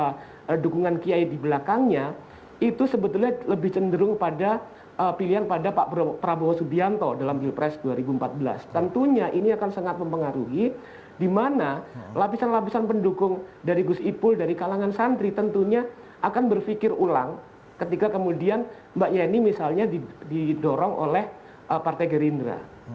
posisi politik agus ipul dengan beberapa dukungan kiai di belakangnya itu sebetulnya lebih cenderung pada pilihan pada pak prabowo subianto dalam pilpres dua ribu empat belas tentunya ini akan sangat mempengaruhi dimana lapisan lapisan pendukung dari gus ipul dari kalangan santri tentunya akan berfikir ulang ketika kemudian mbak yeni misalnya didorong oleh partai gerindra